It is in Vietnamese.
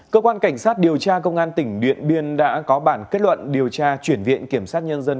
cơ quan cảnh sát điều tra công an tỉnh điện biên đã có bản kết luận điều tra chuyển viện kiểm sát nhân dân